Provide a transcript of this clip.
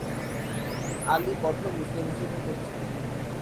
আলী কঠোর মুসলিম হিসেবে পরিচিত।